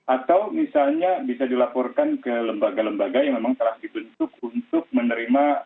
atau misalnya bisa dilaporkan ke lembaga lembaga yang memang telah dibentuk untuk menerima